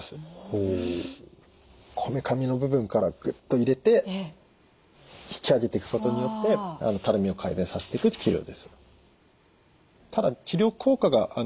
こめかみの部分からグッと入れて引き上げていくことによってたるみを改善させていく治療です。